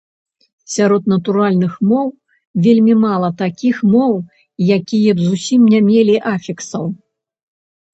Сярод натуральных моў вельмі мала такіх моў, якія б зусім не мелі афіксаў.